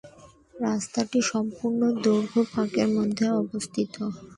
রাস্তাটির সম্পূর্ণ দৈর্ঘ্য পার্কের মধ্যে অবস্থিত।